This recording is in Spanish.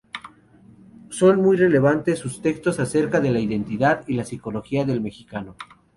Son muy relevantes sus textos acerca de la identidad y la psicología del mexicano.